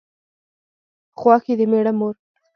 خواښې د مېړه مور